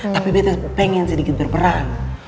tapi bete pengen sedikit berperan